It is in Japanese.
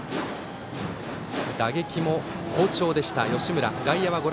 打撃も好調でした吉村。